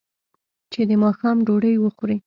چې د ماښام ډوډۍ وخوري.